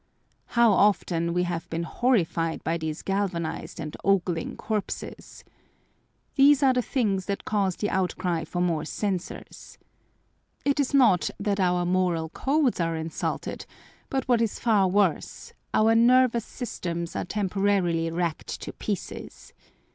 How often we have been horrified by these galvanized and ogling corpses. These are the things that cause the outcry for more censors. It is not that our moral codes are insulted, but what is far worse, our nervous systems are temporarily racked to pieces.